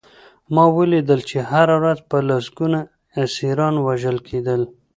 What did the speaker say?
ما ولیدل چې هره ورځ به لسګونه اسیران وژل کېدل